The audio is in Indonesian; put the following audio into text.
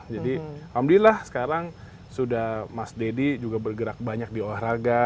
jadi alhamdulillah sekarang sudah mas deddy juga bergerak banyak di olahraga